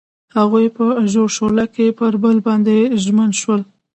هغوی په ژور شعله کې پر بل باندې ژمن شول.